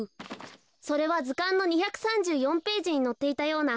それはずかんの２３４ページにのっていたような。